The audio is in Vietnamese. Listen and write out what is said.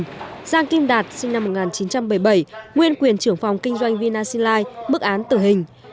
giang kim đạt sinh năm một nghìn chín trăm bảy mươi bảy nguyên quyền trưởng phòng kinh doanh vinasin lines mức án tử hình